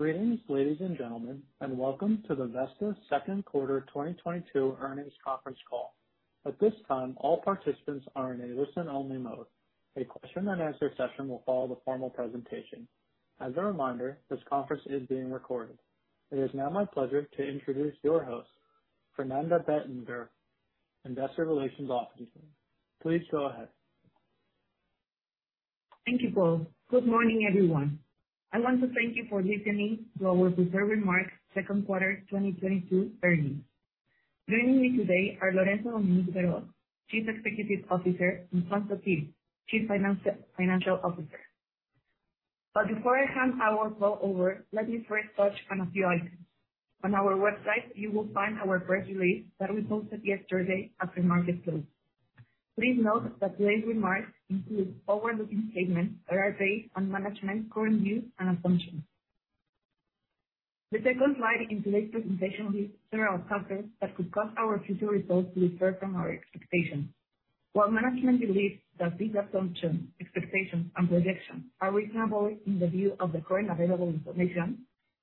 Greetings, ladies and gentlemen, and welcome to the Vesta second quarter 2022 earnings conference call. At this time, all participants are in a listen only mode. A question and answer session will follow the formal presentation. As a reminder, this conference is being recorded. It is now my pleasure to introduce your host, Fernanda Bettinger, Investor Relations Officer. Please go ahead. Thank you, Paul. Good morning, everyone. I want to thank you for listening to our prepared remarks second quarter 2022 earnings. Joining me today are Lorenzo Berho Carranza, Chief Executive Officer, and Juan Felipe Sottil Achutegui, Chief Financial Officer. Before I hand our call over, let me first touch on a few items. On our website you will find our press release that we posted yesterday after market close. Please note that today's remarks include forward-looking statements that are based on management's current views and assumptions. The second slide in today's presentation lists several factors that could cause our future results to differ from our expectations. While management believes that these assumptions, expectations, and projections are reasonable in the view of the current available information,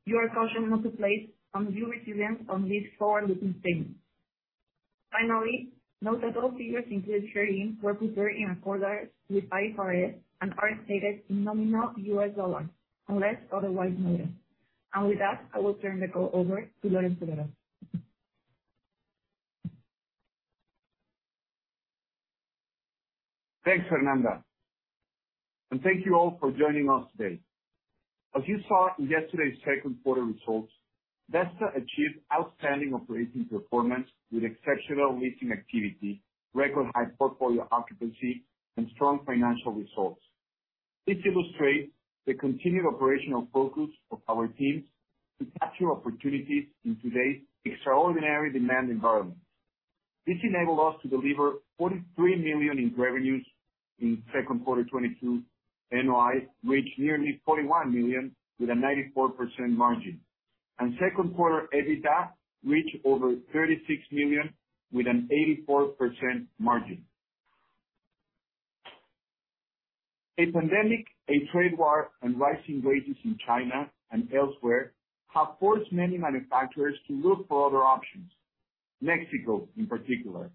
you are cautioned not to place undue reliance on these forward-looking statements. Finally, note that all figures included herein were prepared in accordance with IFRS and are stated in nominal U.S. dollars unless otherwise noted. With that, I will turn the call over to Lorenzo Berho Carranza. Thanks, Fernanda. Thank you all for joining us today. As you saw in yesterday's second quarter results, Vesta achieved outstanding operating performance with exceptional leasing activity, record high portfolio occupancy, and strong financial results. This illustrates the continued operational focus of our teams to capture opportunities in today's extraordinary demand environment. This enabled us to deliver $43 million in revenues in second quarter 2022. NOI reached nearly $41 million with a 94% margin. Second quarter EBITDA reached over $36 million with an 84% margin. A pandemic, a trade war, and rising wages in China and elsewhere have forced many manufacturers to look for other options, Mexico in particular.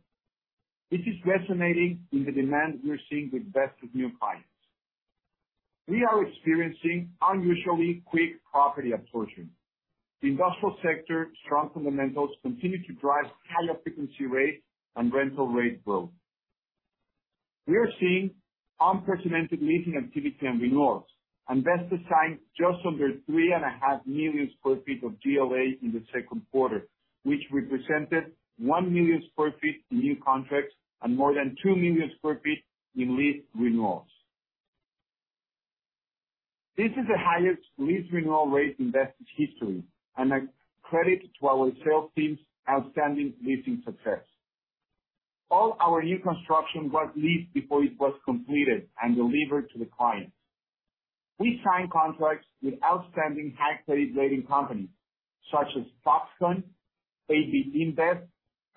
This is resonating in the demand we are seeing with Vesta's new clients. We are experiencing unusually quick property absorption. The industrial sector's strong fundamentals continue to drive high occupancy rates and rental rate growth. We are seeing unprecedented leasing activity and renewals, and Vesta signed just under 3.5 million sq ft of GLA in the second quarter, which represented 1 million sq ft in new contracts and more than 2 million sq ft in lease renewals. This is the highest lease renewal rate in Vesta's history and a credit to our sales team's outstanding leasing success. All our new construction was leased before it was completed and delivered to the clients. We signed contracts with outstanding high credit rating companies such as Foxconn, AB InBev,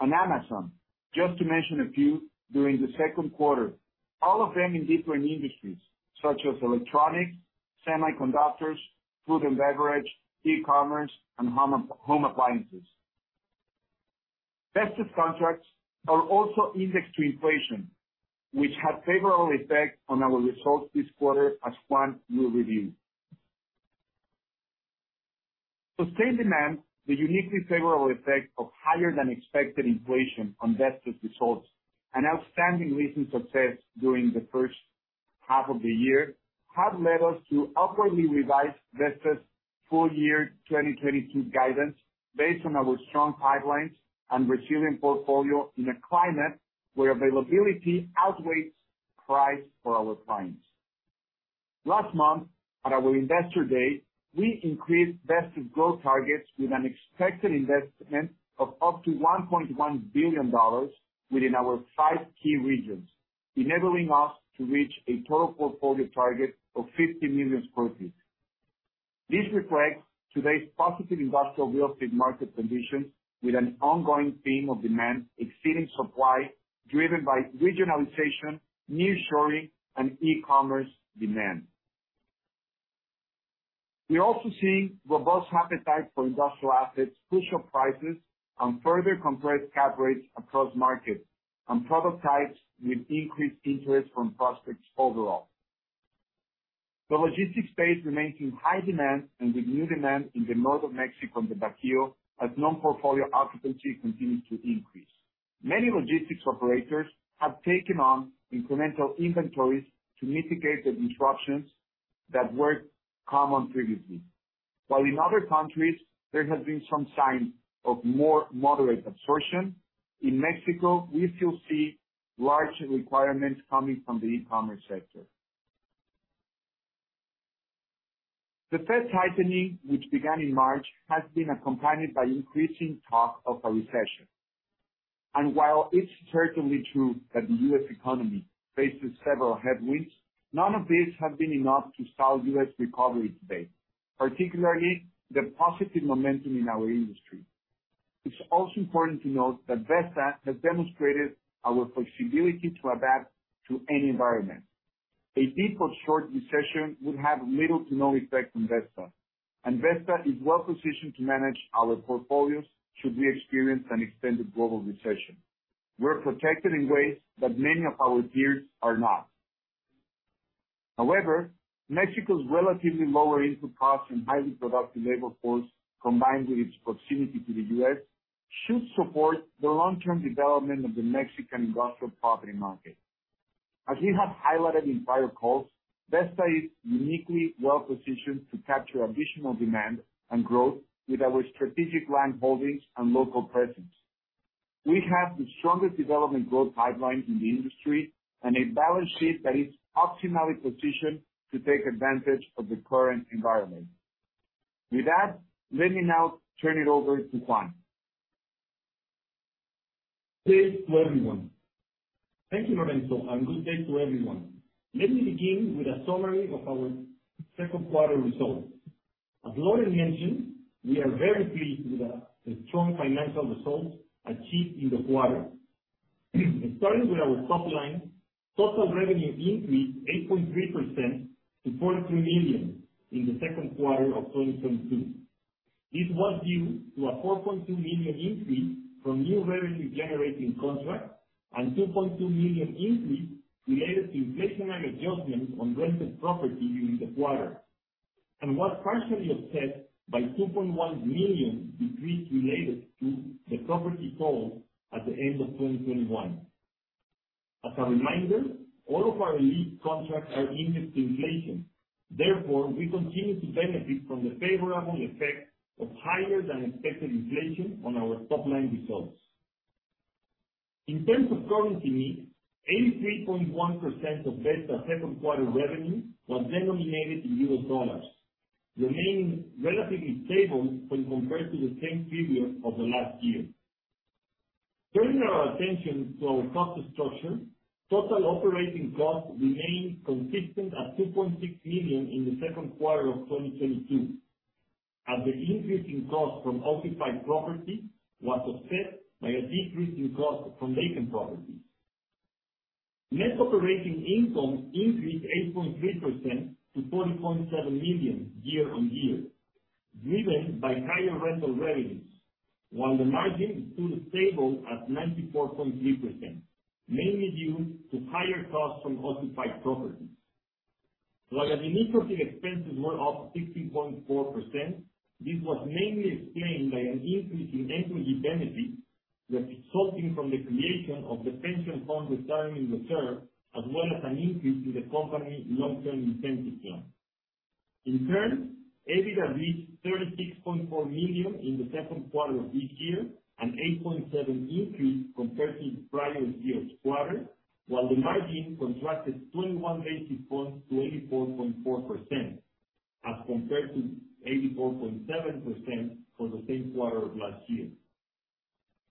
and Amazon, just to mention a few during the second quarter, all of them in different industries such as electronics, semiconductors, food and beverage, e-commerce, and home appliances. Vesta's contracts are also indexed to inflation, which had favorable effect on our results this quarter, as Juan will review. Sustained demand, the uniquely favorable effect of higher than expected inflation on Vesta's results, and outstanding leasing success during the first half of the year have led us to upwardly revise Vesta's full year 2022 guidance based on our strong pipelines and resilient portfolio in a climate where availability outweighs price for our clients. Last month at our Investor Day, we increased Vesta's growth targets with an expected investment of up to $1.1 billion within our five key regions, enabling us to reach a total portfolio target of 50 million sq ft. This reflects today's positive industrial real estate market conditions with an ongoing theme of demand exceeding supply, driven by regionalization, nearshoring, and e-commerce demand. We're also seeing robust appetite for industrial assets, pushing up prices, and further compressed cap rates across markets and product types with increased interest from prospects overall. The logistics space remains in high demand and with new demand in the north of Mexico and the Bajío as non-portfolio occupancy continues to increase. Many logistics operators have taken on incremental inventories to mitigate the disruptions that weren't common previously. While in other countries there has been some signs of more moderate absorption, in Mexico we still see large requirements coming from the e-commerce sector. The Fed tightening, which began in March, has been accompanied by increasing talk of a recession. While it's certainly true that the U.S. economy faces several headwinds, none of these have been enough to stall U.S. recovery to date, particularly the positive momentum in our industry. It's also important to note that Vesta has demonstrated our flexibility to adapt to any environment. A deep or short recession would have little to no effect on Vesta, and Vesta is well positioned to manage our portfolios should we experience an extended global recession. We're protected in ways that many of our peers are not. However, Mexico's relatively lower input costs and highly productive labor force, combined with its proximity to the U.S., should support the long-term development of the Mexican industrial property market. As we have highlighted in prior calls, Vesta is uniquely well-positioned to capture additional demand and growth with our strategic land holdings and local presence. We have the strongest development growth pipeline in the industry and a balance sheet that is optimally positioned to take advantage of the current environment. With that, let me now turn it over to Juan. Good day to everyone. Thank you, Lorenzo, and good day to everyone. Let me begin with a summary of our second quarter results. As Lorenzo mentioned, we are very pleased with the strong financial results achieved in the quarter. Starting with our top line, total revenue increased 8.3% to 43 million in the second quarter of 2022. This was due to a 4.2 million increase from new revenue generating contracts and 2.2 million increase related to inflationary adjustments on rented property during the quarter, and was partially offset by 2.1 million decrease related to the property sold at the end of 2021. As a reminder, all of our lease contracts are indexed to inflation. Therefore, we continue to benefit from the favorable effect of higher than expected inflation on our top line results. In terms of currency mix, 83.1% of Vesta's second quarter revenue was denominated in US dollars, remaining relatively stable when compared to the same period of the last year. Turning our attention to our cost structure, total operating costs remained consistent at $2.6 million in the second quarter of 2022, as the increase in cost from occupied property was offset by a decrease in cost from vacant properties. Net operating income increased 8.3% to $40.7 million year-on-year, driven by higher rental revenues, while the margin stood stable at 94.3%, mainly due to higher costs from occupied properties. While administrative expenses were up 16.4%, this was mainly explained by an increase in employee benefits resulting from the creation of the pension fund retirement reserve, as well as an increase to the company long term incentive plan. In turn, EBITDA reached $36.4 million in the second quarter of this year, an 8.7% increase compared to the prior year's quarter, while the margin contracted 21 basis points to 84.4% as compared to 84.7% for the same quarter of last year.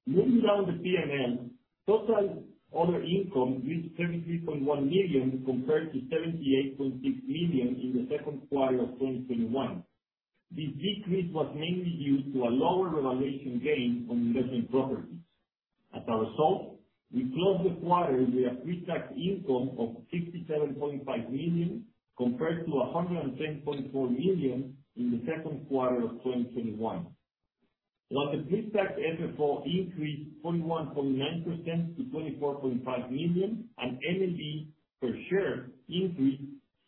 Moving down the P&L, total other income reached $73.1 million compared to $78.6 million in the second quarter of 2021. This decrease was mainly due to a lower revaluation gain on investment properties. As a result, we closed the quarter with a pre-tax income of $67.5 million, compared to $110.4 million in the second quarter of 2021. While the pre-tax FFO increased 21.9% to $24.5 million, and NAV per share increased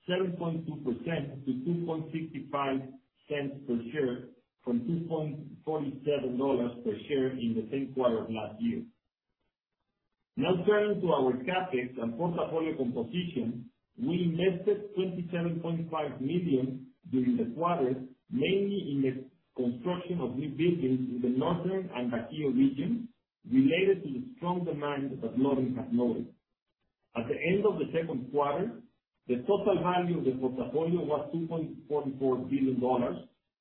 7.2% to $2.65 per share from $2.47 per share in the same quarter of last year. Now turning to our CapEx and portfolio composition, we invested $27.5 million during the quarter, mainly in the construction of new business in the northern and Bajío region related to the strong demand that Lorenzo has noted. At the end of the second quarter, the total value of the portfolio was $2.44 billion,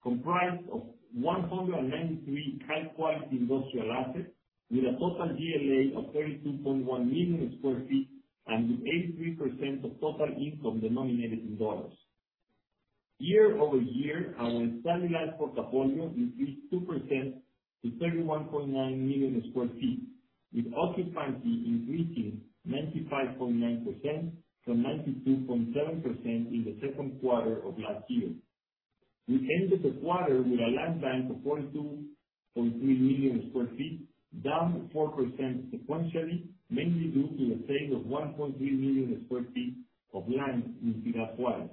comprised of 193 high quality industrial assets with a total GLA of 32.1 million sq ft and with 83% of total income denominated in dollars. Year over year, our stabilized portfolio increased 2% to 31.9 million sq ft, with occupancy increasing 95.9% from 92.7% in the second quarter of last year. We ended the quarter with a land bank of 42.3 million sq ft, down 4% sequentially, mainly due to the sale of 1.3 million sq ft of land in Ciudad Juárez.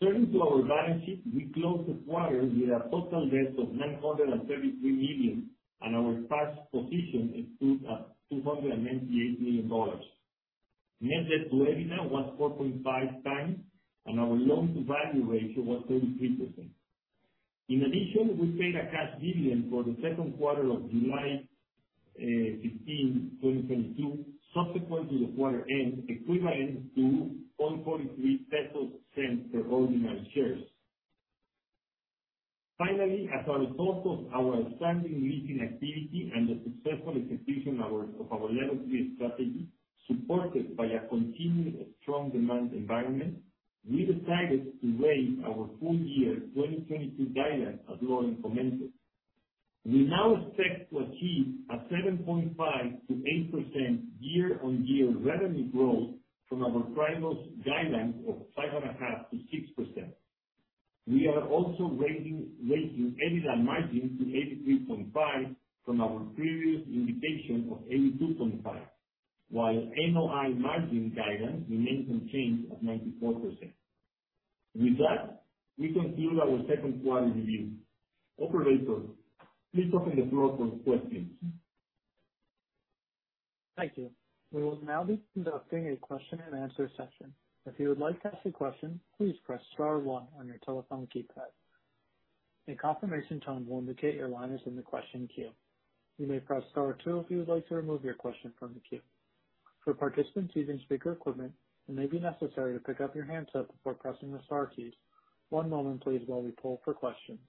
Turning to our balance sheet, we closed the quarter with a total debt of $933 million, and our cash position stood at $298 million. Net debt to EBITDA was 4.5, and our loan to value ratio was 33%. In addition, we paid a cash dividend for the second quarter of July 15, 2022, subsequent to the quarter end, equivalent to 0.43 MXN per ordinary share. Finally, as a result of our expanding leasing activity and the successful execution of our Level 3 Strategy, supported by a continued strong demand environment. We decided to raise our full-year 2022 guidance as Lorenzo commented. We now expect to achieve a 7.5%-8% year-on-year revenue growth from our previous guidelines of 5.5%-6%. We are also raising EBITDA margin to 83.5% from our previous indication of 82.5%, while NOI margin guidance remains unchanged at 94%. With that, we conclude our second quarter review. Operator, please open the floor for questions. Thank you. We will now be conducting a question and answer session. If you would like to ask a question, please press star one on your telephone keypad. A confirmation tone will indicate your line is in the question queue. You may press star two if you would like to remove your question from the queue. For participants using speaker equipment, it may be necessary to pick up your handset before pressing the star keys. One moment please while we poll for questions.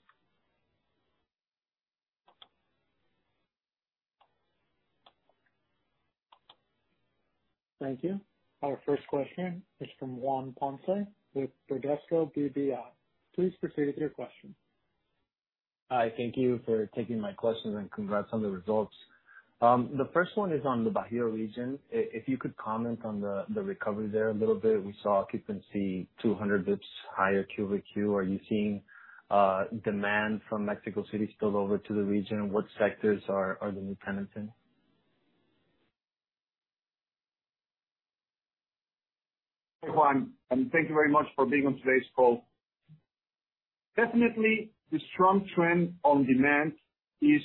Thank you. Our first question is from Juan Ponce with Bradesco BBI. Please proceed with your question. Hi, thank you for taking my questions and congrats on the results. The first one is on the Bajío region. If you could comment on the recovery there a little bit. We saw occupancy 200 basis points higher quarter-over-quarter. Are you seeing demand from Mexico City spill over to the region? What sectors are the new tenants in? Hi, Juan, and thank you very much for being on today's call. Definitely the strong trend on demand is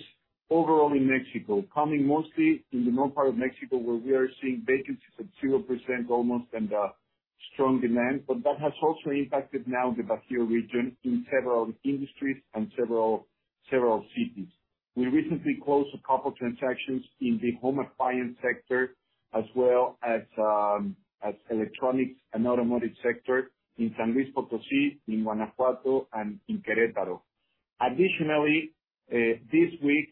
overall in Mexico, coming mostly in the north part of Mexico, where we are seeing vacancies at zero percent almost and strong demand. That has also impacted now the Bajío region in several industries and several cities. We recently closed a couple transactions in the home appliance sector as well as electronics and automotive sector in San Luis Potosí, in Guanajuato, and in Querétaro. Additionally, this week,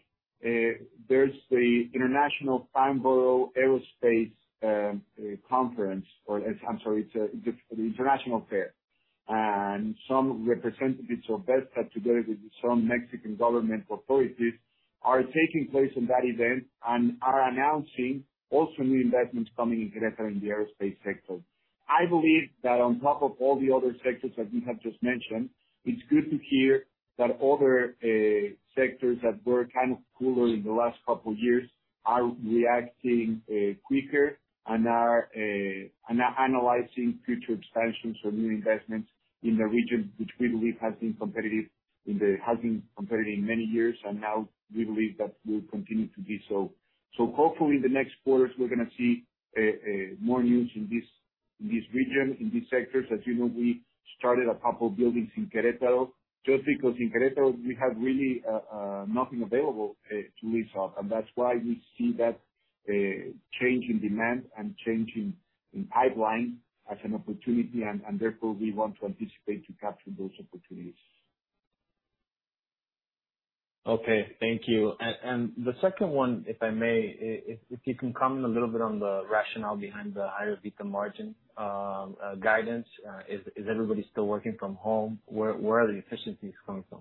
there's the Farnborough International Airshow. Some representatives of BBVA together with some Mexican government authorities are taking part in that event and are announcing also new investments coming in Querétaro in the aerospace sector. I believe that on top of all the other sectors that we have just mentioned, it's good to hear that other sectors that were kind of cooler in the last couple years are reacting quicker and are analyzing future expansions or new investments in the region, which we believe has been competitive many years, and now we believe that will continue to be so. Hopefully in the next quarters, we're gonna see more news in this region, in these sectors. As you know, we started a couple buildings in Querétaro, just because in Querétaro we have really nothing available to lease off. That's why we see that change in demand and change in pipeline as an opportunity and therefore we want to anticipate to capture those opportunities. Okay. Thank you. The second one, if I may, if you can comment a little bit on the rationale behind the higher EBITDA margin guidance? Is everybody still working from home? Where are the efficiencies coming from?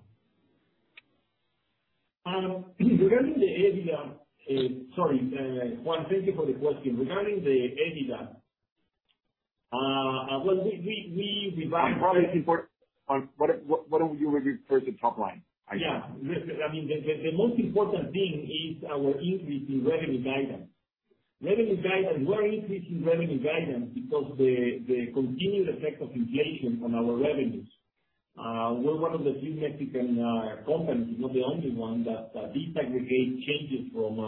Regarding the EBITDA, sorry, Juan, thank you for the question. Regarding the EBITDA, well, we revised- What are you referring to top line? Yeah. I mean, the most important thing is our increase in revenue guidance. Revenue guidance, we're increasing revenue guidance because the continued effect of inflation on our revenues. We're one of the few Mexican companies, if not the only one, that disaggregate changes from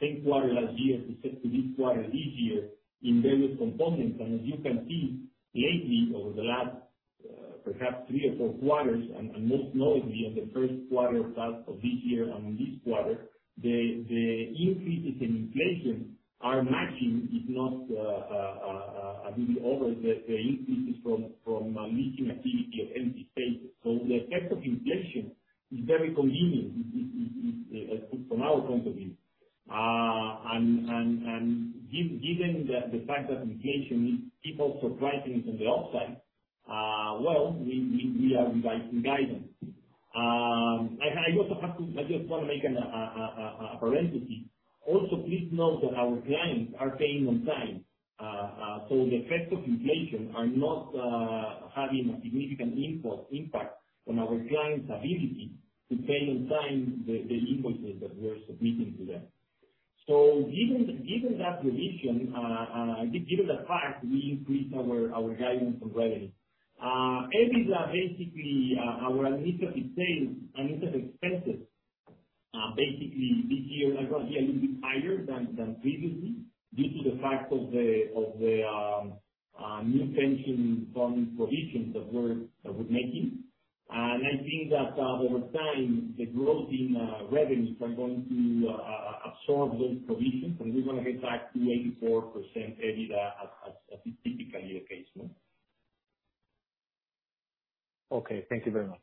same quarter last year to this quarter this year in various components. As you can see, lately, over the last perhaps three or fourth quarters and most notably in the first quarter of this year and this quarter, the increases in inflation are matching. It's not a big over the increases from leasing activity of empty spaces. The effect of inflation is very convenient for our company. Given the fact that inflation means people's pricing is on the upside, well, we are revising guidance. I just wanna make a parenthesis. Also, please note that our clients are paying on time. The effects of inflation are not having a significant impact on our clients' ability to pay on time the invoices that we're submitting to them. Given that fact, we increased our guidance on revenue and EBITDA. Basically, our initiatives are the same. Initiatives expenses basically this year are gonna be a little bit higher than previously due to the fact of the new pension funding provisions that we're making. I think that over time the growth in revenues are going to absorb those provisions and we're gonna get back to 84% EBITDA as is typically our case. No? Okay. Thank you very much.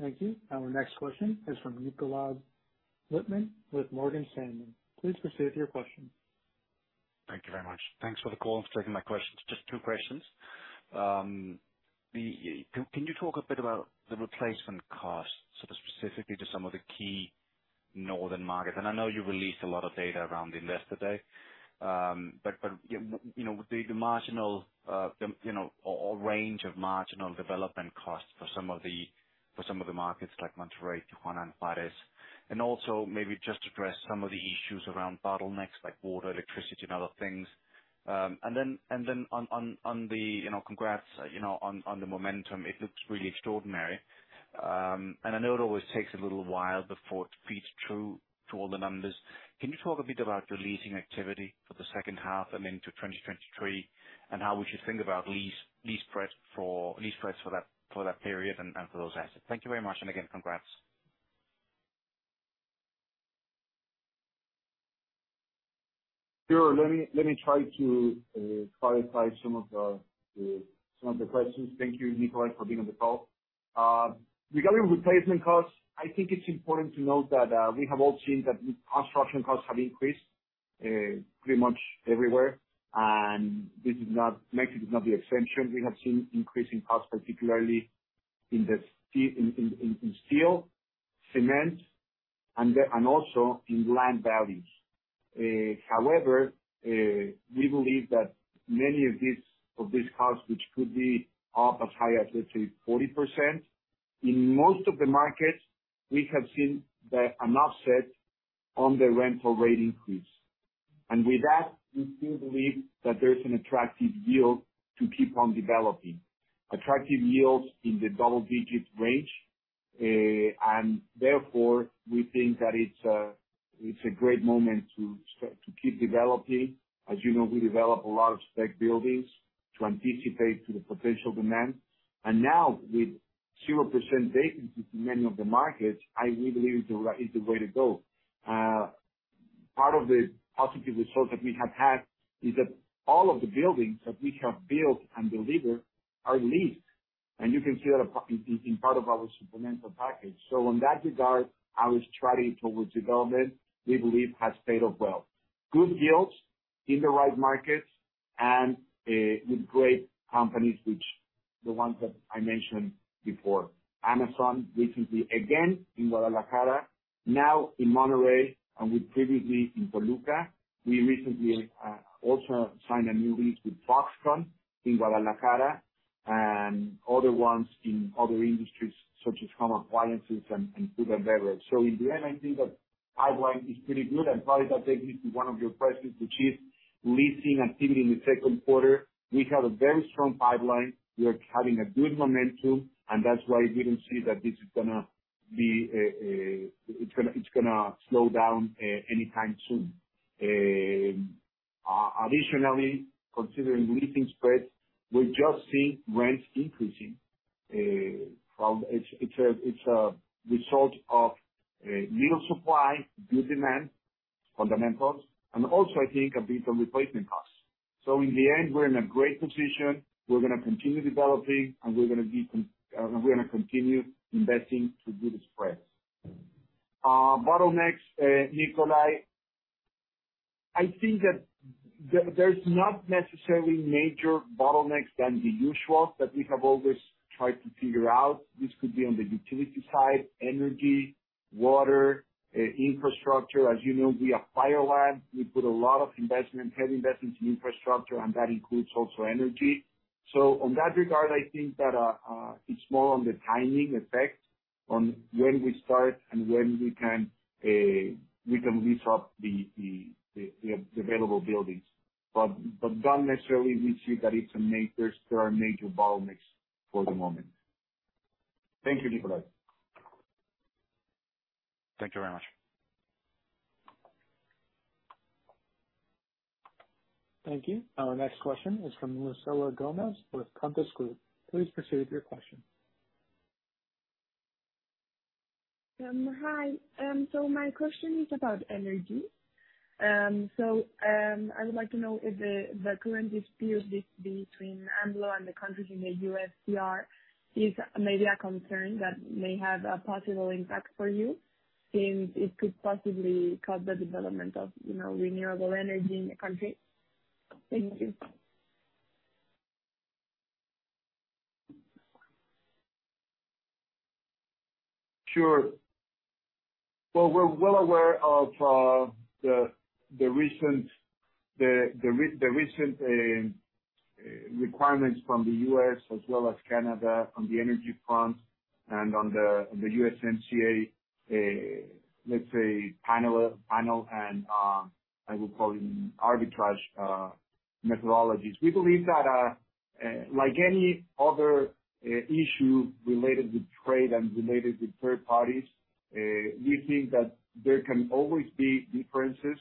Thank you. Our next question is from Nikolaj Lippmann with Morgan Stanley. Please proceed with your question. Thank you very much. Thanks for the call, for taking my questions. Just two questions. Can you talk a bit about the replacement costs, sort of specifically to some of the key northern markets? I know you released a lot of data around it yesterday. Yeah, you know, the marginal, you know, or range of marginal development costs for some of the markets like Monterrey, Tijuana, and Juárez. Also maybe just address some of the issues around bottlenecks like water, electricity, and other things. You know, congrats on the momentum. It looks really extraordinary. I know it always takes a little while before it feeds through to all the numbers. Can you talk a bit about your leasing activity for the second half and into 2023, and how we should think about lease spreads for that period and for those assets? Thank you very much, and again, congrats. Sure. Let me try to clarify some of the questions. Thank you, Nikolaj, for being on the call. Regarding replacement costs, I think it's important to note that we have all seen that construction costs have increased pretty much everywhere. Mexico is not the exception. We have seen increasing costs, particularly in steel, cement, and also in land values. However, we believe that many of these costs, which could be up as high as, let's say, 40%, in most of the markets we have seen that an offset on the rental rate increase. With that, we still believe that there's an attractive yield to keep on developing. Attractive yields in the double digits range, and therefore we think that it's a great moment to keep developing. As you know, we develop a lot of spec buildings to anticipate to the potential demand. Now with zero percent vacancy in many of the markets, I really believe is the way to go. Part of the positive results that we have had is that all of the buildings that we have built and delivered are leased. You can see that in part of our supplemental package. In that regard, our strategy towards development, we believe, has paid off well. Good yields in the right markets and with great companies, which the ones that I mentioned before. Amazon, recently again in Guadalajara, now in Monterrey, and with previously in Toluca. We recently also signed a new lease with Foxconn in Guadalajara, and other ones in other industries such as home appliances and food and beverage. In the end, I think that pipeline is pretty good, and probably that takes me to one of your questions, which is leasing activity in the second quarter. We have a very strong pipeline. We are having a good momentum, and that's why we don't see that this is gonna be. It's gonna slow down anytime soon. Additionally, considering leasing spreads, we're just seeing rents increasing. It's a result of low supply, good demand fundamentals, and also I think a bit of replacement costs. In the end, we're in a great position. We're gonna continue developing, and we're gonna continue investing to do the spec's. Bottlenecks, Nikolaj, I think that there's not necessarily major bottlenecks other than the usual that we have always tried to figure out. This could be on the utility side, energy, water, infrastructure. As you know, we acquire land. We put a lot of investment, heavy investment in infrastructure, and that includes also energy. On that regard, I think that it's more on the timing effect on when we start and when we can lease up the available buildings. We don't necessarily see that there are major bottlenecks for the moment. Thank you, Nikolaj. Thank you very much. Thank you. Our next question is from Lucila Gomez with Compass Group. Please proceed with your question. Hi. My question is about energy. I would like to know if the current dispute between AMLO and the countries in the USMCA is maybe a concern that may have a possible impact for you, since it could possibly cut the development of, you know, renewable energy in the country. Thank you. Sure. Well, we're well aware of the recent requirements from the U.S. as well as Canada on the energy front and on the USMCA, let's say panel and I would call it arbitrage methodologies. We believe that like any other issue related with trade and related with third parties, we think that there can always be differences,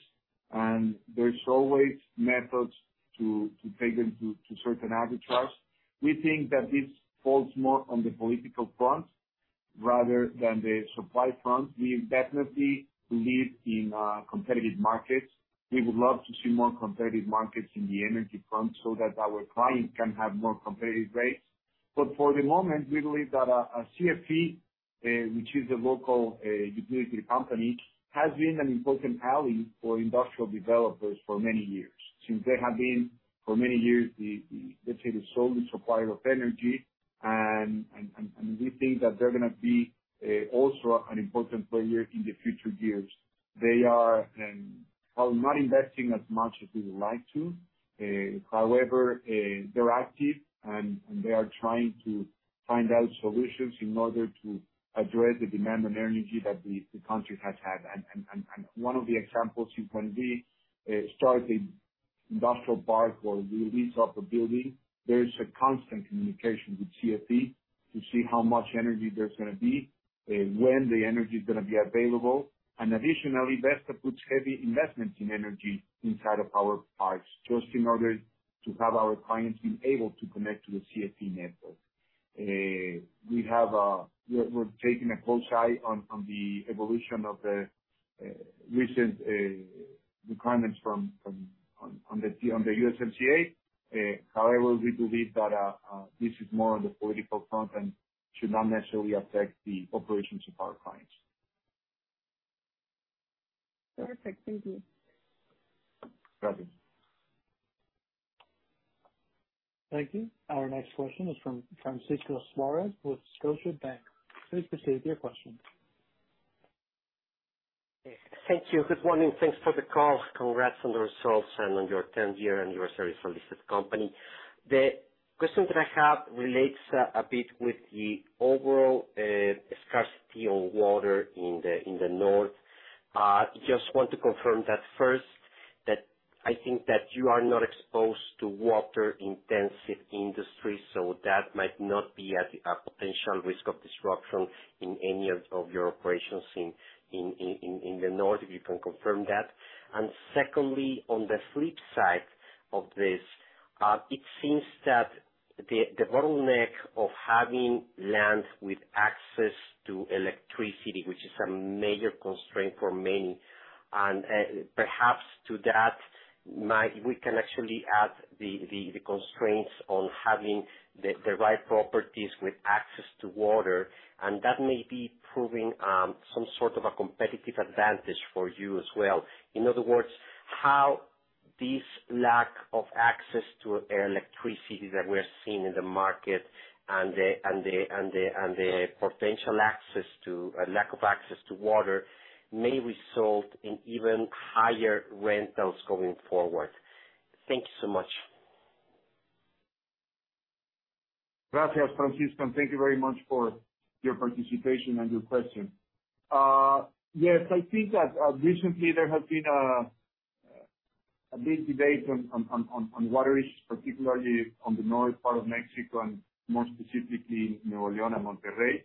and there's always methods to take them to certain arbitrage. We think that this falls more on the political front rather than the supply front. We definitely believe in competitive markets. We would love to see more competitive markets in the energy front so that our clients can have more competitive rates. For the moment, we believe that CFE, which is a local utility company, has been an important ally for industrial developers for many years, since they have been, for many years, let's say, the sole supplier of energy. We think that they're gonna be also an important player in the future years. They are well not investing as much as we would like to. However, they're active and they are trying to find out solutions in order to address the demand on energy that the country has had. One of the examples you can see starting industrial park or the lease of a building. There is a constant communication with CFE to see how much energy there's gonna be, when the energy is gonna be available. Additionally, Vesta puts heavy investments in energy inside of our parks, just in order to have our clients be able to connect to the CFE network. We have. We're keeping a close eye on the evolution of the recent requirements from the USMCA. However, we believe that this is more on the political front and should not necessarily affect the operations of our clients. Perfect. Thank you. Got it. Thank you. Our next question is from Francisco Suarez with Scotiabank. Please proceed with your question. Thank you. Good morning. Thanks for the call. Congrats on the results and on your tenth year anniversary for listed company. The question that I have relates a bit with the overall scarcity on water in the north. Just want to confirm that first, that I think that you are not exposed to water-intensive industry, so that might not be at a potential risk of disruption in any of your operations in the north, if you can confirm that. Secondly, on the flip side of this, it seems that the bottleneck of having land with access to electricity, which is a major constraint for many, and perhaps we can actually add the constraints on having the right properties with access to water, and that may be proving some sort of a competitive advantage for you as well. In other words, how this lack of access to electricity that we're seeing in the market and the potential lack of access to water may result in even higher rentals going forward. Thank you so much. Gracias, Francisco, and thank you very much for your participation and your question. Yes. I think that recently there has been a big debate on water issues, particularly on the north part of Mexico and more specifically Nuevo León and Monterrey.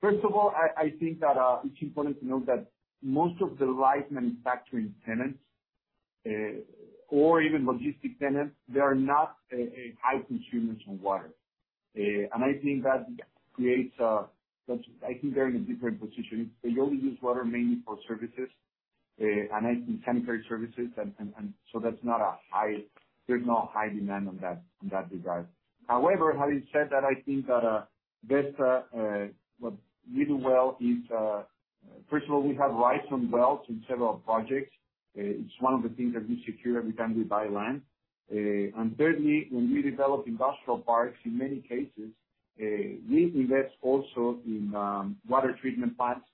First of all, I think that it's important to note that most of the light manufacturing tenants or even logistic tenants, they are not high consumers on water. I think that creates. I think they're in a different position. They only use water mainly for services and I think sanitary services and so that's not a high demand on that regard. There's no high demand on that regard. However, having said that, I think that Vesta, what we do well is, first of all, we have rights on wells in several projects. It's one of the things that we secure every time we buy land. Thirdly, when we develop industrial parks, in many cases, we invest also in water treatment plants,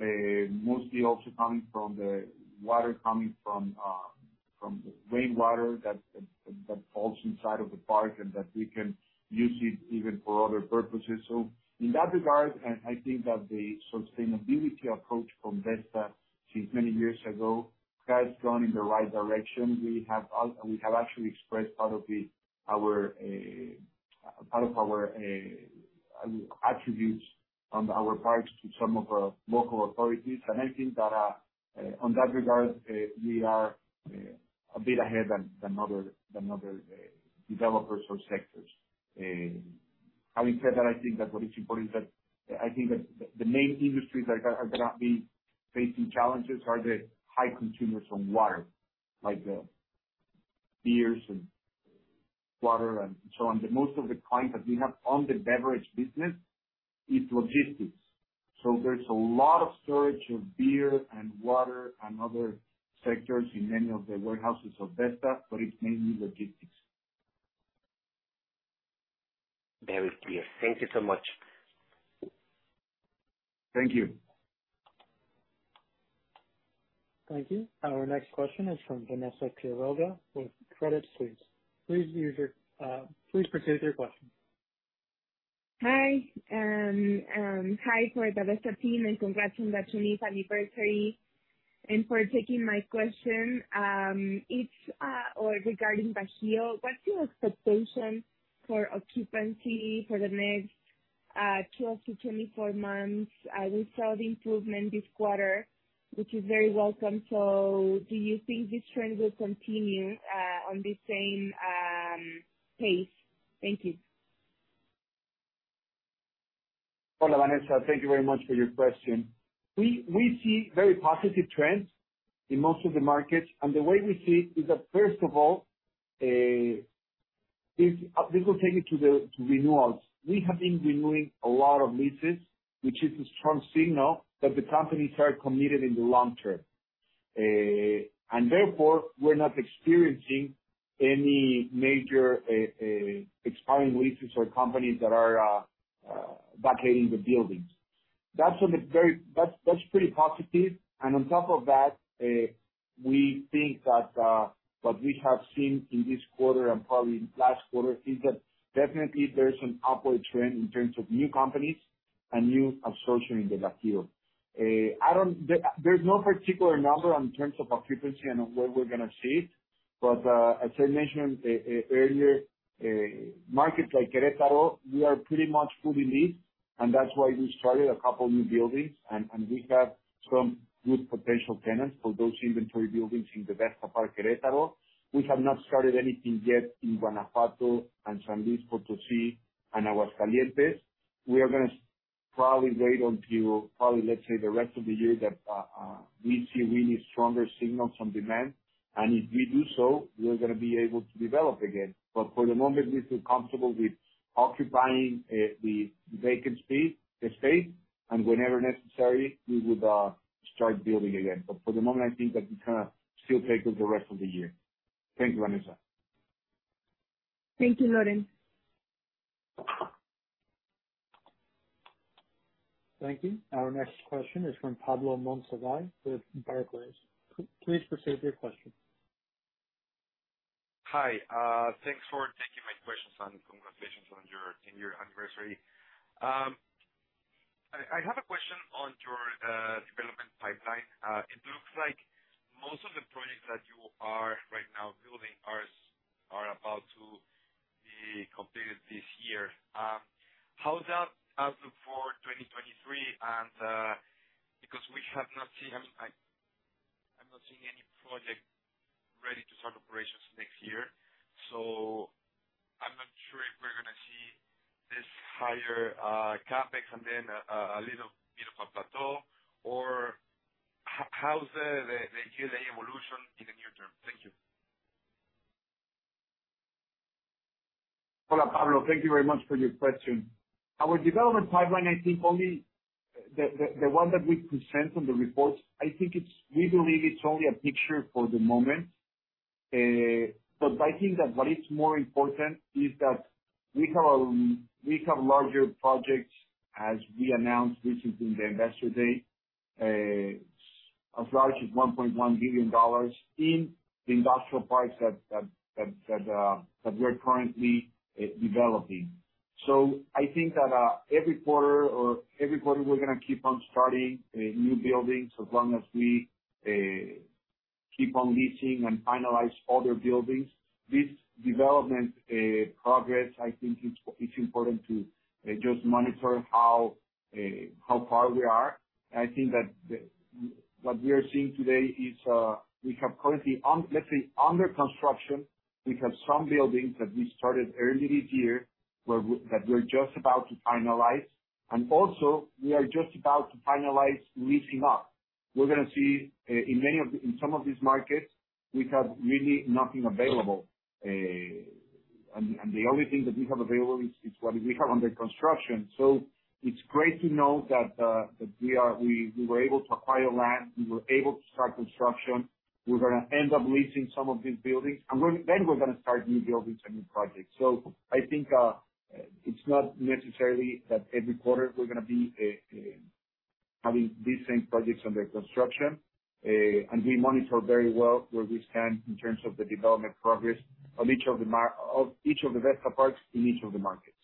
mostly also coming from the water coming from rainwater that falls inside of the park and that we can use it even for other purposes. In that regard, I think that the sustainability approach from Vesta since many years ago has gone in the right direction. We have actually expressed part of our attributes on our parks to some of our local authorities. I think that on that regard we are a bit ahead than other developers or sectors. Having said that, I think that what is important is that I think that the main industries that are gonna be facing challenges are the high consumers on water, like beers and water and so on. But most of the clients that we have on the beverage business is logistics. So there's a lot of storage of beer and water and other sectors in many of the warehouses of Vesta, but it's mainly logistics. Very clear. Thank you so much. Thank you. Thank you. Our next question is from Vanessa Quiroga with Credit Suisse. Please proceed with your question. Hi to the Vesta team, congrats on the 20th anniversary, and for taking my question. It's regarding Bajío, what's your expectation for occupancy for the next 12-24 months? We saw the improvement this quarter, which is very welcome. Do you think this trend will continue on the same pace? Thank you. Hola, Vanessa. Thank you very much for your question. We see very positive trends in most of the markets, and the way we see it is that, first of all, this will take you to the renewals. We have been renewing a lot of leases, which is a strong signal that the companies are committed in the long term. Therefore we're not experiencing any major expiring leases or companies that are vacating the buildings. That's pretty positive. On top of that, we think that what we have seen in this quarter and probably in last quarter is that definitely there's an upward trend in terms of new companies and new absorption in the Vesta. I don't There's no particular number in terms of occupancy and where we're gonna see it, but as I mentioned earlier, markets like Querétaro, we are pretty much fully leased. That's why we started a couple new buildings and we have some good potential tenants for those inventory buildings in the Vesta Park Querétaro. We have not started anything yet in Guanajuato and San Luis Potosí and Aguascalientes. We are gonna probably wait until, let's say, the rest of the year that we see really stronger signals on demand. If we do so, we're gonna be able to develop again. For the moment, we feel comfortable with occupying the vacant space, and whenever necessary, we would start building again. For the moment, I think that we kinda still take with the rest of the year. Thank you, Vanessa. Thank you, Lorenzo Berho Carranza. Thank you. Our next question is from Pablo Monsivais with Barclays. Please proceed with your question. Hi. Thanks for taking my questions, and congratulations on your 10-year anniversary. I have a question on your development pipeline. It looks like most of the projects that you are right now building are about to be completed this year. How's that outlook for 2023? Because we have not seen, I'm not seeing any project ready to start operations next year, so I'm not sure if we're gonna see this higher CapEx and then a little bit of a plateau. Or how's the GLA evolution in the near term? Thank you. Hola, Pablo. Thank you very much for your question. Our development pipeline, I think only the one that we present on the reports. We believe it's only a picture for the moment. I think that what is more important is that we have larger projects, as we announced recently in the Vesta Day, as large as $1.1 billion in the industrial parks that we're currently developing. I think that every quarter, we're gonna keep on starting new buildings as long as we keep on leasing and finalize other buildings. This development progress, I think it's important to just monitor how far we are. I think that the. What we are seeing today is, we have currently, let's say, under construction, we have some buildings that we started early this year that we're just about to finalize. We are just about to finalize leasing up. We're gonna see in some of these markets, we have really nothing available. The only thing that we have available is what we have under construction. It's great to know that we were able to acquire land. We were able to start construction. We're gonna end up leasing some of these buildings, and we're gonna start new buildings and new projects. I think it's not necessarily that every quarter we're gonna be having these same projects under construction. We monitor very well where we stand in terms of the development progress of each of the Vesta parks in each of the markets.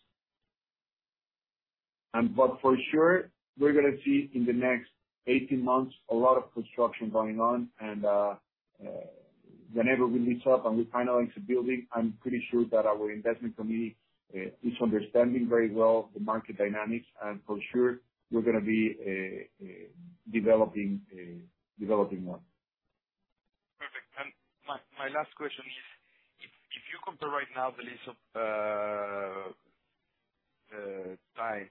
For sure, we're gonna see in the next 18 months a lot of construction going on. Whenever we lease up and we finalize the building, I'm pretty sure that our investment committee is understanding very well the market dynamics. For sure, we're gonna be developing more. Perfect. My last question is, if you compare right now the lease-up time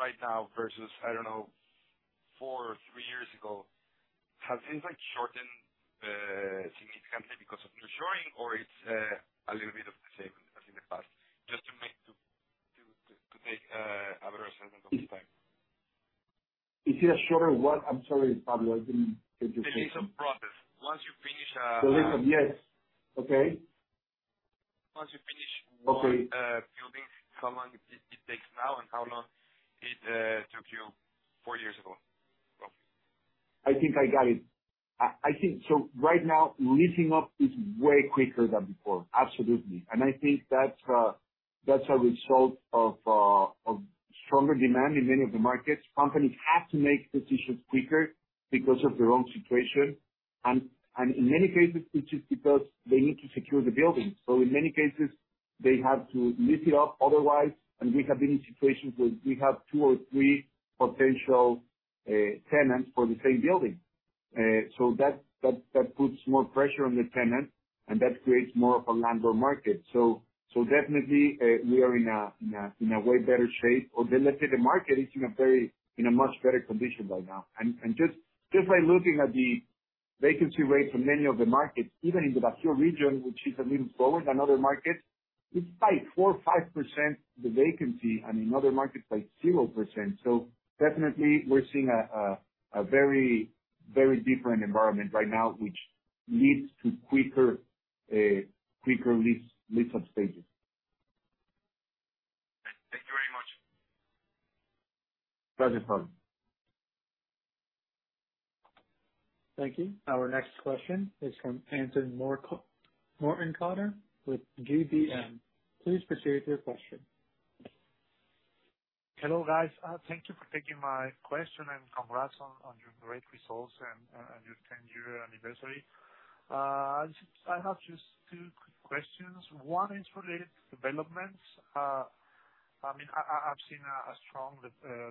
right now versus, I don't know, four or three years ago, have things like shortened significantly because of your showing or it's a little bit of the same as in the past? Just to take a better assessment of the time. I'm sorry, Pablo. I didn't get you. The leasing process. Once you finish, The leasing, yes. Okay. Once you finish. Okay. Building, how long it takes now and how long it took you four years ago. I think I got it. I think so right now leasing up is way quicker than before. Absolutely. I think that's a result of stronger demand in many of the markets. Companies have to make decisions quicker because of their own situation. In many cases, it's just because they need to secure the buildings. In many cases they have to lease it up otherwise, and we have been in situations where we have two or three potential tenants for the same building. That puts more pressure on the tenant and that creates more of a landlord market. Definitely, we are in a way better shape or let's say the market is in a very much better condition right now. Just by looking at the vacancy rate for many of the markets, even in the Bajío region, which is a little lower than other markets, it's like 4% or 5%, the vacancy. I mean other markets like zero percent. Definitely we're seeing a very different environment right now, which leads to quicker lease-up stages. Thank you very much. Pleasure. Thank you. Our next question is from Antonio Hernández Vélez Leija with GBM. Please proceed with your question. Hello, guys. Thank you for taking my question and congrats on your great results and your ten-year anniversary. I have just two quick questions. One is related to developments. I mean, I have seen a strong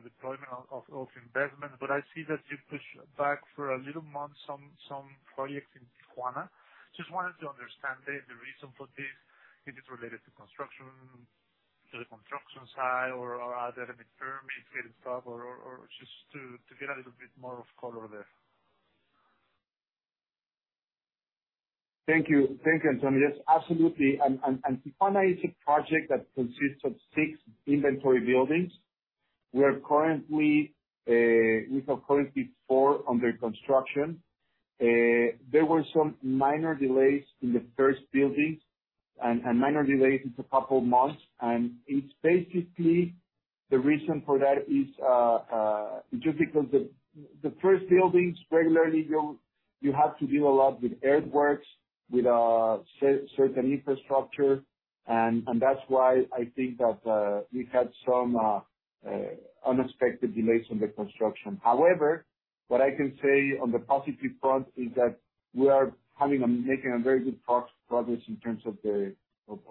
deployment of investment, but I see that you pushed back for a little month some projects in Tijuana. Just wanted to understand the reason for this, if it's related to construction, to the construction side or are there any permits getting stuck or just to get a little bit more of color there. Thank you. Thank you, Antonio. Yes, absolutely. Tijuana is a project that consists of six inventory buildings. We currently have four under construction. There were some minor delays in the first buildings and minor delays is a couple months. It's basically the reason for that is just because the first buildings regularly you'll have to deal a lot with earthworks, with certain infrastructure and that's why I think that we've had some unexpected delays on the construction. However, what I can say on the positive front is that we are making a very good progress in terms of the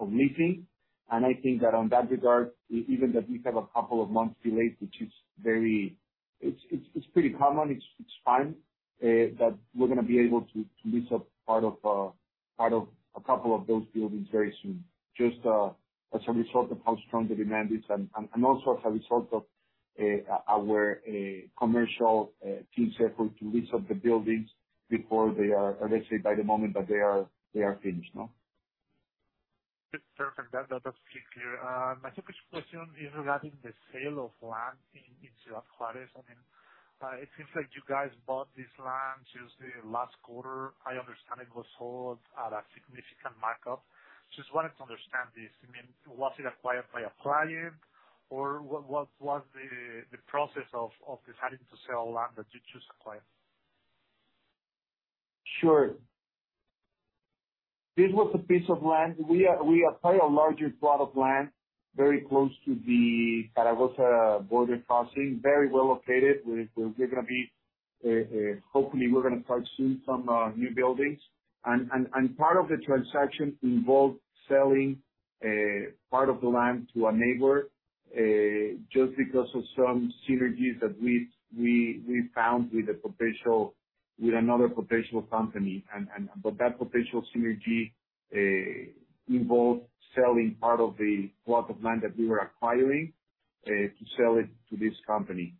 leasing. I think that on that regard, even that we have a couple of months delays, which is very. It's pretty common, it's fine that we're gonna be able to lease up part of a couple of those buildings very soon. Just as a result of how strong the demand is and also as a result of our commercial team's effort to lease up the buildings before they are, let's say by the moment that they are finished, no? Perfect. That's pretty clear. My second question is regarding the sale of land in Ciudad Juárez. I mean, it seems like you guys bought this land just the last quarter. I understand it was sold at a significant markup. Just wanted to understand this. I mean, was it acquired by a client or what was the process of deciding to sell land that you just acquired? Sure. This was a piece of land. We acquired a larger plot of land very close to the Zaragoza border crossing, very well located. Hopefully we're gonna start soon some new buildings. Part of the transaction involved selling part of the land to a neighbor just because of some synergies that we found with another potential company. That potential synergy involved selling part of the plot of land that we were acquiring to sell it to this company.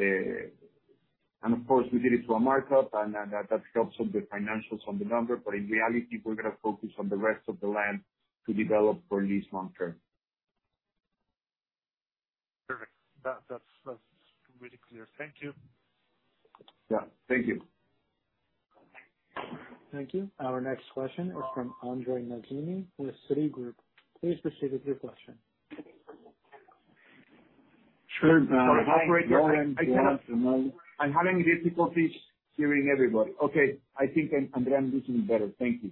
Of course, we did it to a markup and that helps on the financials on the number, but in reality, we're gonna focus on the rest of the land to develop for lease long term. Perfect. That's really clear. Thank you. Yeah. Thank you. Thank you. Our next question is from André Mazini with Citigroup. Please proceed with your question. Sure. André, go ahead. Sorry, operator. Go ahead, Jamal. I'm having difficulties hearing everybody. Okay. I think I'm understanding this a little better. Thank you.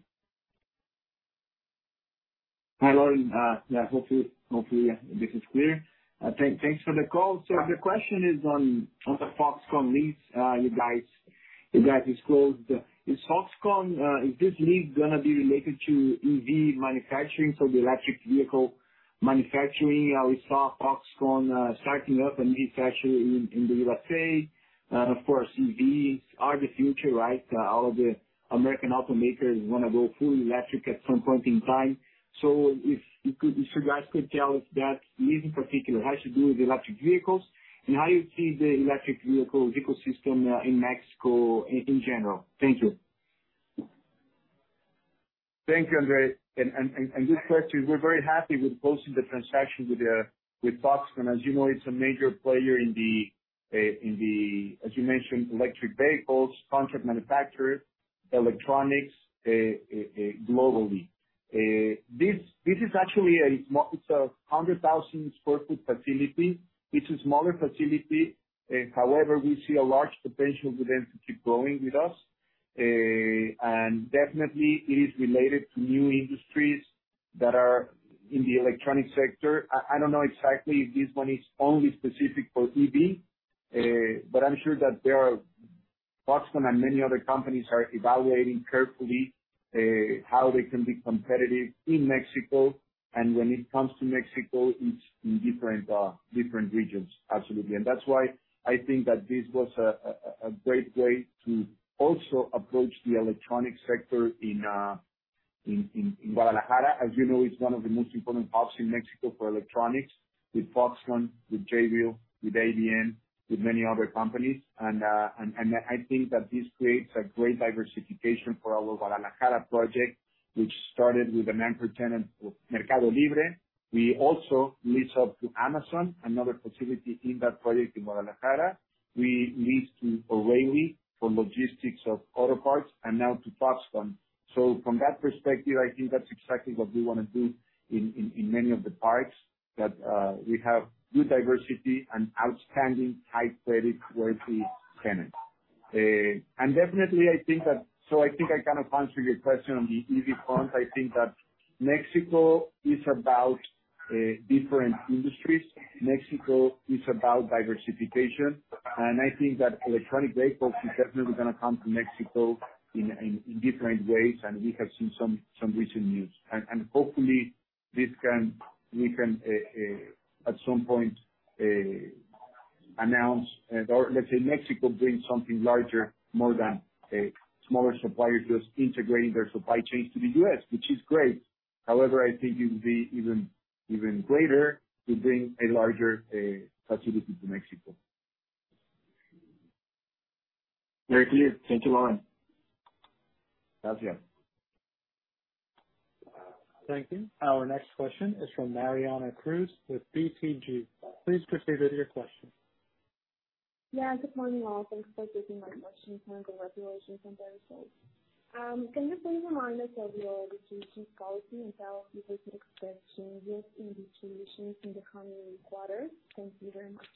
Hi, Lorenzo. Yeah, hopefully this is clear. Thanks for the call. The question is on the Foxconn lease you guys disclosed. Is this lease gonna be related to EV manufacturing, so the electric vehicle manufacturing? We saw Foxconn starting up manufacturing in the USA. Of course, EVs are the future, right? All of the American automakers wanna go fully electric at some point in time. If you could tell us that lease in particular has to do with electric vehicles, and how you see the electric vehicle ecosystem in Mexico in general. Thank you. Thank you, André. Just to actually add to, we're very happy with closing the transaction with Foxconn. As you know, it's a major player in the, as you mentioned, electric vehicles, contract manufacturer, electronics, globally. It's a 100,000 sq ft facility. It's a smaller facility, however, we see a large potential for them to keep growing with us. And definitely it is related to new industries that are in the electronic sector. I don't know exactly if this one is only specific for EV, but I'm sure that there are Foxconn and many other companies are evaluating carefully, how they can be competitive in Mexico, and when it comes to Mexico, it's in different regions, absolutely. That's why I think that this was a great way to also approach the electronic sector in Guadalajara. As you know, it's one of the most important hubs in Mexico for electronics with Foxconn, with Jabil, with ADM, with many other companies. I think that this creates a great diversification for our Guadalajara project, which started with an anchor tenant, with Mercado Libre. We also leased out to Amazon, another facility in that project in Guadalajara. We leased to O'Reilly for logistics of auto parts and now to Foxconn. From that perspective, I think that's exactly what we wanna do in many of the parks that we have good diversity and outstanding high creditworthy tenants. And definitely I think that I kind of answered your question on the EV front. I think that Mexico is about different industries. Mexico is about diversification. I think that electric vehicles is definitely gonna come to Mexico in different ways. We have seen some recent news. Hopefully we can at some point announce or let's say Mexico bring something larger, more than smaller suppliers just integrating their supply chains to the U.S., which is great. However, I think it would be even greater to bring a larger facility to Mexico. Very clear. Thank you, Lorenzo. Gracias. Thank you. Our next question is from Mariana Cruz with BTG. Please proceed with your question. Yeah. Good morning, all. Thanks for taking my question. Congratulations on the results. Can you please remind us of your distribution policy and how we could expect changes in distributions in the coming quarters? Thank you very much.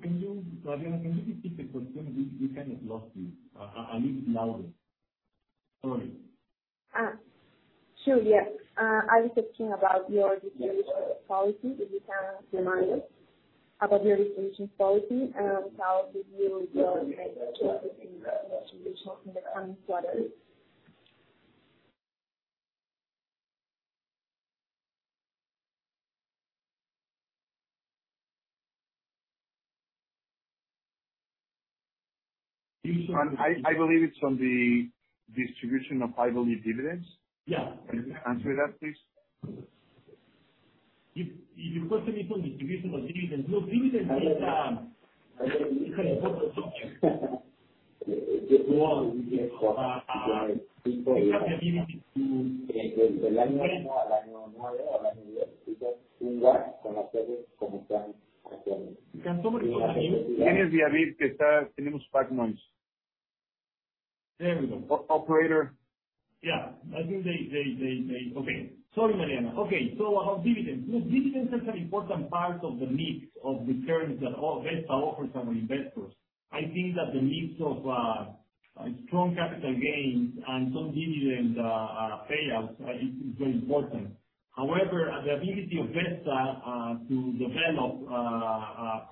Can you, Mariana, can you repeat the question? We kind of lost you. A little louder. Sorry. Sure. Yes. I was asking about your distribution policy, if you can remind us about your distribution policy, how you will go about distributing distributions in the coming quarters. I believe it's on the distribution of, I believe, dividends. Yeah. Can you answer that, please? Your question is on distribution of dividends. Look, dividends is, it's an important topic. We have a dividend. Can somebody put that in? There we go. O-operator. Yeah. Okay. Sorry, Mariana. Okay. Around dividends. Look, dividends is an important part of the mix of returns that all Vesta offers our investors. I think that the mix of strong capital gains and some dividend payouts is very important. However, the ability of Vesta to develop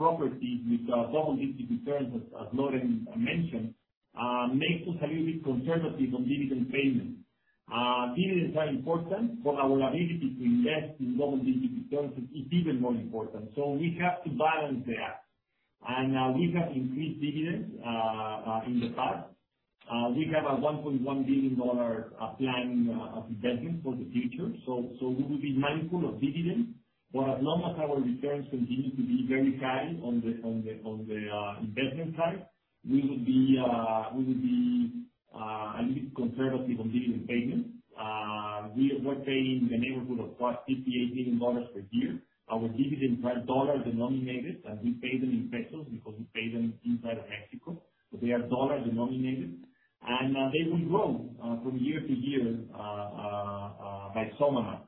properties with double-digit returns, as Lorenzo mentioned, makes us a little bit conservative on dividend payments. Dividends are important, but our ability to invest in double-digit returns is even more important. We have to balance that. We have increased dividends in the past. We have a $1.1 billion of planned investments for the future. We will be mindful of dividends. As long as our returns continue to be very high on the investment side, we will be a little conservative on dividend payments. We were paying in the neighborhood of $58 million per year. Our dividends are dollar denominated, and we pay them in pesos because we pay them inside of Mexico. They are dollar denominated. They will grow from year to year by some amount.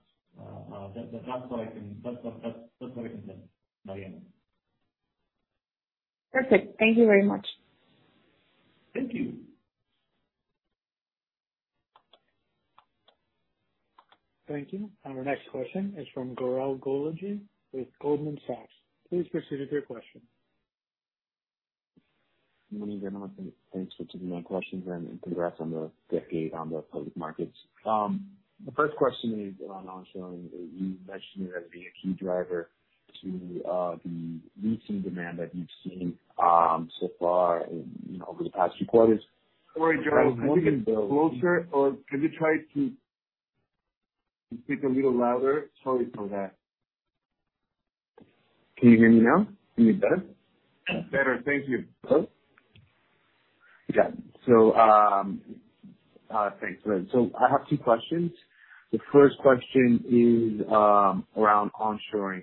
That's all I can say, Mariana. Perfect. Thank you very much. Thank you. Thank you. Our next question is from Jorel Guilloty with Goldman Sachs. Please proceed with your question. Good morning, everyone. Thanks for taking my questions, and congrats on the decade on the public markets. The first question is around onshoring. You mentioned it as being a key driver to the leasing demand that you've seen so far in, you know, over the past few quarters. Sorry, Jorel. I think it's closer or can you try to speak a little louder? Sorry for that. Can you hear me now? Any better? Better. Thank you. Hello? Yeah. Thanks. Great. I have two questions. The first question is around onshoring.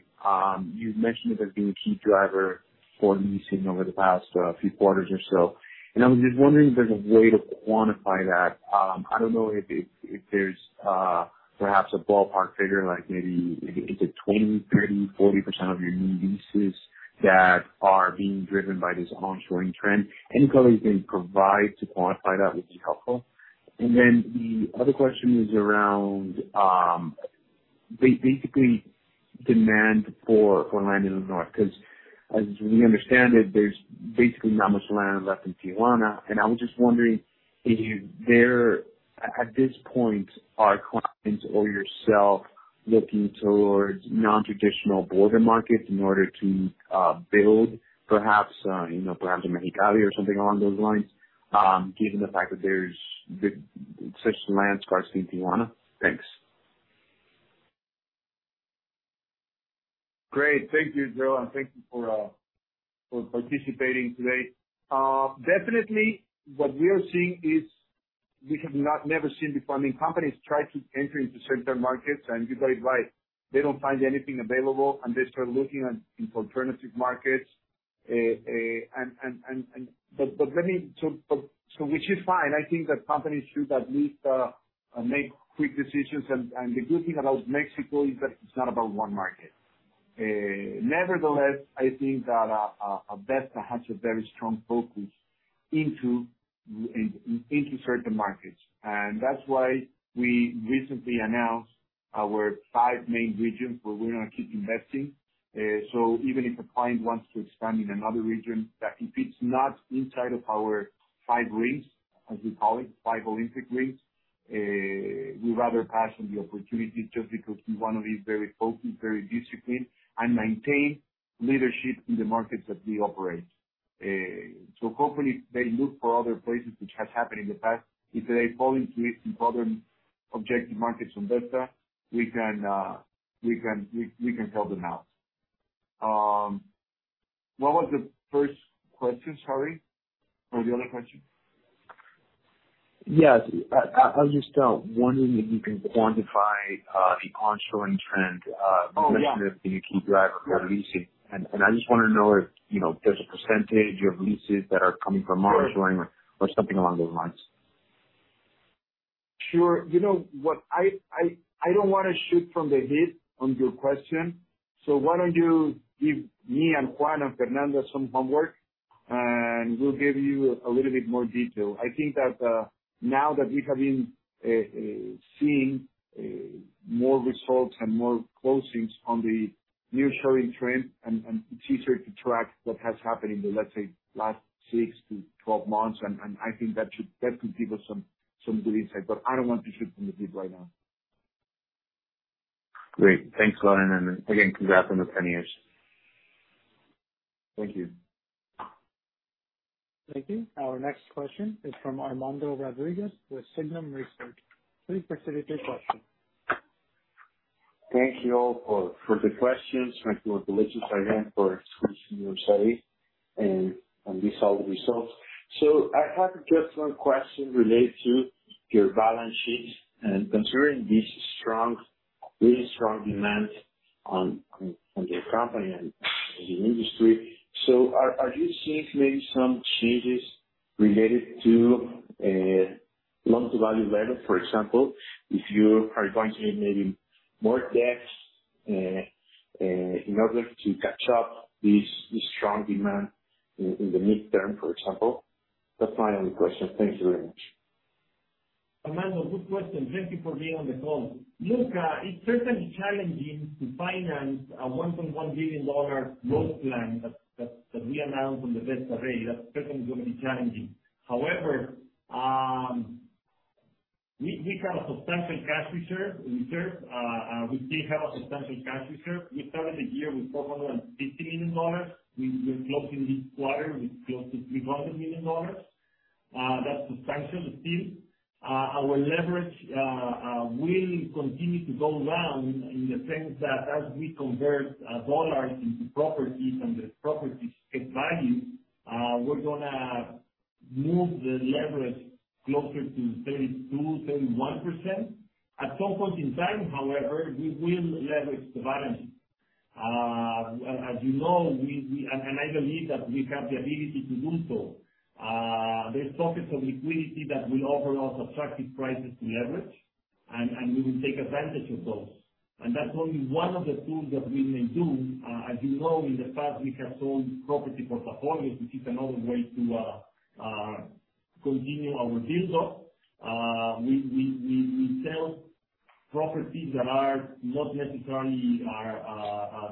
You've mentioned it as being a key driver for leasing over the past few quarters or so, and I'm just wondering if there's a way to quantify that. I don't know if there's perhaps a ballpark figure, like maybe is it 20%, 30%, 40% of your new leases that are being driven by this onshoring trend? Any color you can provide to quantify that would be helpful. Then the other question is around basically demand for land in the north, because as we understand it, there's basically not much land left in Tijuana. I was just wondering, is there, at this point, are clients or yourself looking towards non-traditional border markets in order to build perhaps, you know, perhaps a Mexicali or something along those lines, given the fact that there's such land scarcity in Tijuana? Thanks. Great. Thank you, Joel, and thank you for participating today. Definitely what we are seeing is we have not never seen before. I mean, companies try to enter into certain markets and you got it right, they don't find anything available, and they start looking in alternative markets. Which is fine. I think that companies should at least make quick decisions. The good thing about Mexico is that it's not about one market. Nevertheless, I think that Vesta has a very strong focus into certain markets. That's why we recently announced our five main regions where we're gonna keep investing. Even if a client wants to expand in another region, that if it's not inside of our five rings, as we call it, five Olympic rings, we rather pass on the opportunity just because we wanna be very focused, very disciplined, and maintain leadership in the markets that we operate. Hopefully they look for other places which has happened in the past. If they fall into it in other objective markets from Vesta, we can help them out. What was the first question, sorry? Or the other question? Yes. I was just wondering if you can quantify the onshoring trend? Oh, yeah. that you keep track of your leasing. I just wanna know if, you know, there's a percentage of leases that are coming from onshoring or something along those lines? Sure. You know what? I don't wanna shoot from the hip on your question, so why don't you give me and Juan and Fernanda some homework, and we'll give you a little bit more detail. I think that now that we have been seeing more results and more closings on the new showing trend and it's easier to track what has happened in the, let's say, last 6-12 months, and I think that could give us some good insight, but I don't want to shoot from the hip right now. Great. Thanks a lot. Congrats on the 10 years. Thank you. Thank you. Our next question is from Armando Rodriguez with Signum Research. Please proceed with your question. Thank you all for the questions. Thank you, Lorenzo, again for executing your strategy and these are the results. I have just one question related to your balance sheet and considering this strong, really strong demand on your company and in the industry. Are you seeing maybe some changes related to loan-to-value level, for example, if you are going to need maybe more debts in order to catch up this strong demand in the midterm, for example? That's my only question. Thank you very much. Armando, good question. Thank you for being on the call. Look, it's certainly challenging to finance a $1.1 billion growth plan that we announced on the Vesta Day. That's certainly gonna be challenging. However, we have a substantial cash reserve. We still have a substantial cash reserve. We started the year with $450 million. We closed in this quarter with close to $300 million. That's substantial still. Our leverage will continue to go down in the sense that as we convert dollars into properties and the properties get value, we're gonna move the leverage closer to 31%-32%. At some point in time, however, we will leverage the balance sheet. As you know, we I believe that we have the ability to do so. There are pockets of liquidity that will offer us attractive prices to leverage, and we will take advantage of those. That's only one of the tools that we may do. As you know, in the past, we have sold property portfolios, which is another way to continue our build up. We sell properties that are not necessarily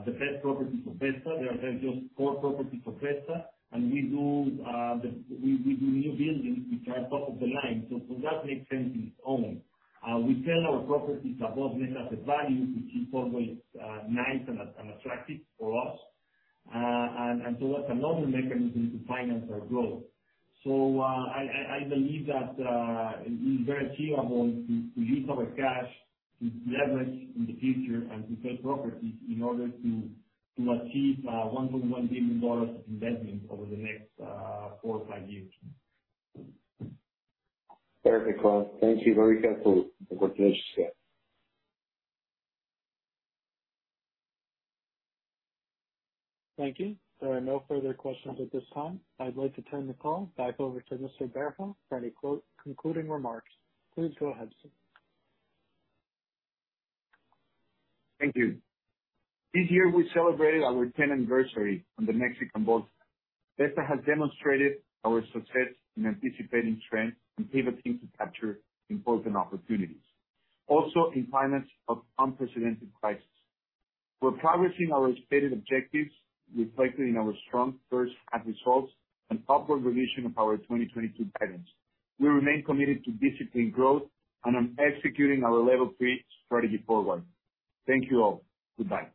the best properties for Vesta. They are, they're just core properties for Vesta. We do new buildings which are top of the line. That makes sense in its own. We sell our properties above net asset value, which is always nice and attractive for us. That's another mechanism to finance our growth. I believe that it is very achievable to use our cash to leverage in the future and to sell properties in order to achieve $1.1 billion of investments over the next four or five years. Perfect, Juan. Thank you very much for the interesting. Thank you. There are no further questions at this time. I'd like to turn the call back over to Mr. Berho for any concluding remarks. Please go ahead, sir. Thank you. This year we celebrated our 10th anniversary on the Mexican bourse. Vesta has demonstrated our success in anticipating trends and pivoting to capture important opportunities, also in the face of an unprecedented crisis. We're progressing our stated objectives, reflected in our strong first half results and upward revision of our 2022 guidance. We remain committed to disciplined growth and to executing our Level 3 strategy going forward. Thank you all. Goodbye.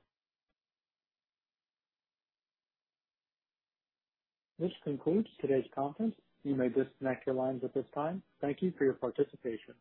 This concludes today's conference. You may disconnect your lines at this time. Thank you for your participation.